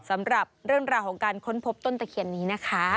สำหรับเรื่องราวของการค้นพบต้นตะเคียนนี้นะคะ